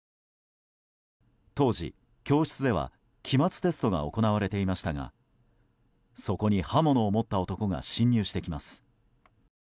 当時、教室では期末テストが行われていましたがそこに刃物を持った男が侵入してきます。